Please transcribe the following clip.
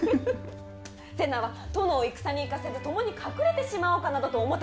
瀬名は殿を戦に行かず共に隠れてしまおうかなどと思うたくらいです。